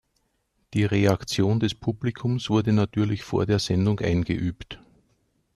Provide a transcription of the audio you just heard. Die Reaktion des Publikums wurde natürlich vor der Sendung eingeübt.